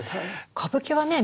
歌舞伎はね